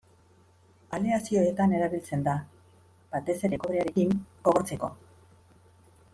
Aleazioetan erabiltzen da, batez ere kobrearekin, gogortzeko.